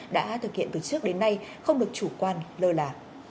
đã thực hiện từ trước đến nay không được chủ quan lơ là